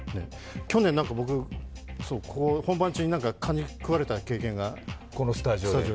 去年、僕、本番中に蚊に食われた経験が。